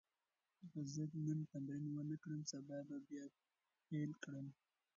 که زه نن تمرین ونه کړم، سبا به بیا پیل کړم.